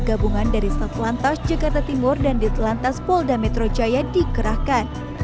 gabungan dari south lantas jakarta timur dan di telantas polda metro jaya dikerahkan